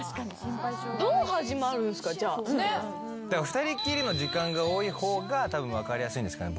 二人っきりの時間が多い方が分かりやすいんですかね